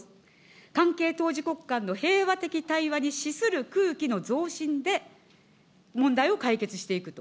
関係当事国間の平和的会話に資する空気の増進で問題を解決していくと。